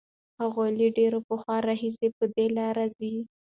هغوی له ډېر پخوا راهیسې په دې لاره ځي.